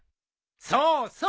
そうそう。